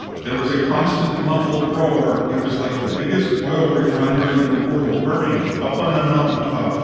"There was a constant muffled roar. It was like the biggest oil refinery in the world burning up on the mountain top.